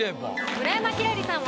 村山輝星さんは